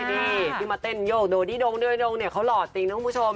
นี่มาเต้นโยธโดดีโดงด้วยโดหน่อยเขาเหล่านะครับคุณผู้ชม